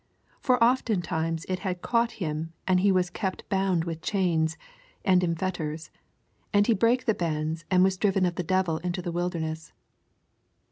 For oftentimes it had caaght him; and he was kept boand with chains and in fetters ; and he brake the bands, and was driven of the devil into the wilderness.)